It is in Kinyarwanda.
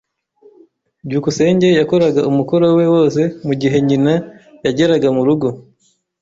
byukusenge yakoraga umukoro we wose mugihe nyina yageraga murugo.